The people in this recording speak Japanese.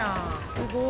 すごい。